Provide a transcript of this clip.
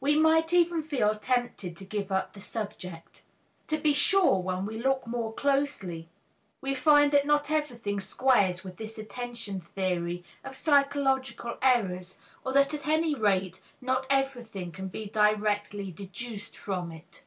We might even feel tempted to give up the subject. To be sure, when we look more closely we find that not everything squares with this attention theory of psychological errors, or that at any rate not everything can be directly deduced from it.